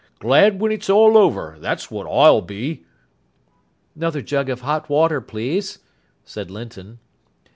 Glad when it's all over, that's what I'll be." "'Nother jug of hot water, please," said Linton.